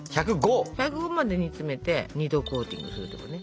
１０５まで煮詰めて２度コーティングするってことね。